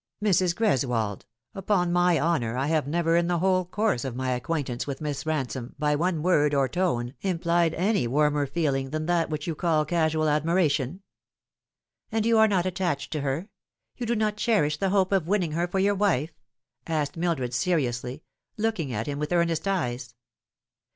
" Mrs. Greswold, upon my honour I have never in the whole course of my acquaintance with Miss Bansome by one word or tone implied any warmer f eeling than that which you call casual admiration." " And you are not attached to her ? you do not cherish the hope of winning her for your wife ?" asked Mildred seriously, looking at hi.n with earnest eyes.